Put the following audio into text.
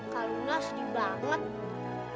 kak luna sedih banget